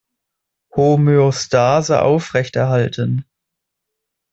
Homöostase aufrechterhalten!